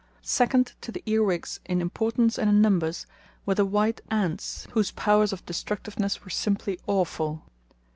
Second to the earwigs in importance and in numbers were the white ants, whose powers of destructiveness were simply awful.